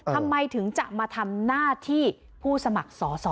ทำไมถึงจะมาทำหน้าที่ผู้สมัครสอสอ